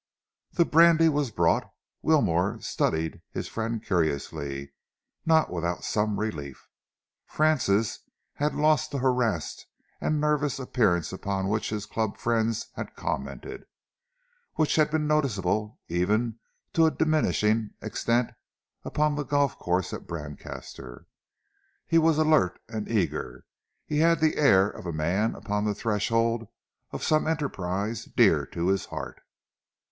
The brandy was brought. Wilmore studied his friend curiously, not without some relief. Francis had lost the harassed and nervous appearance upon which his club friends had commented, which had been noticeable, even, to a diminishing extent, upon the golf course at Brancaster. He was alert and eager. He had the air of a man upon the threshold of some enterprise dear to his heart.